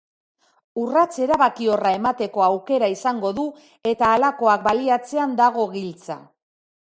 Urrats erabakiorra emateko aukera izango du eta halakoak baliatzean dago giltza.